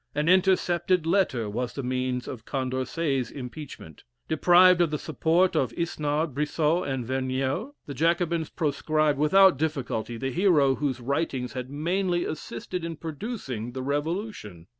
An intercepted letter was the means of Condorcet's impeachment. Deprived of the support of Isnard, Brissot, and Vergniaud, the Jacobins proscribed without difficulty the hero whose writings had mainly assisted in producing the Revolution.